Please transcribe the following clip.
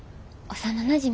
幼なじみ。